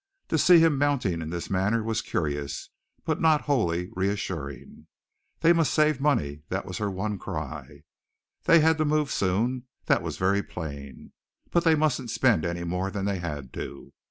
To see him mounting in this manner was curious, but not wholly reassuring. They must save money; that was her one cry. They had to move soon, that was very plain, but they mustn't spend any more than they had to.